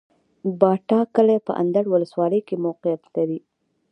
باټا کلی په اندړ ولسوالۍ کي موقعيت لري